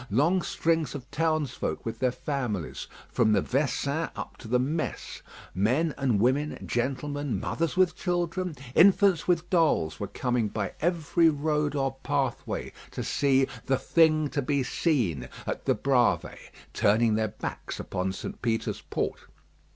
Long strings of townsfolk with their families, from the "Vesin" up to the "Mess," men and women, gentlemen, mothers with children, infants with dolls, were coming by every road or pathway to see "the thing to be seen" at the Bravées, turning their backs upon St. Peter's Port.